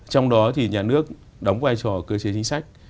trong đó thì nhà nước đóng vai trò cơ chế chính sách